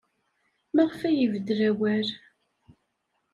Maɣef ay ibeddel awal?